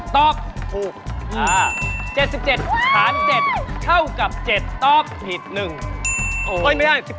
ตอบ๗๗หาร๗เท่ากับ๗ตอบผิด๑โอ๊ยโอ๊ยไม่ได้